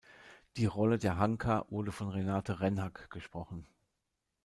Die Rolle der Hanka wurde von Renate Rennhack gesprochen.